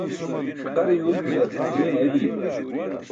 Ṣiqare yuwlgiṣar guriin eedili.